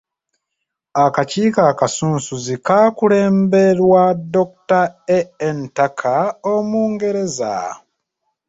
Akakiiko akasunsuzi kaakulemberwa Dr. A.N.Tucker Omungereza.